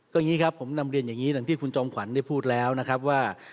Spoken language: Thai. ก็อย่างนี้ครับผมนำเรียนอย่างนี้อย่างที่คุณจอมขวัญได้พูดแล้วนะครับว่า